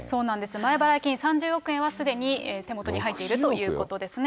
前払い金３０億円はすでに手元に入っているということですね。